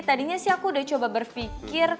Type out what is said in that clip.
tadinya sih aku udah coba berpikir